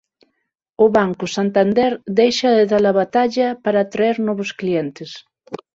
O Banco Santander deixa de da-la batalla para atraer novos clientes